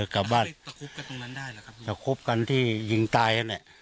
กลับบ้านจะคุบกันที่ยิงตาย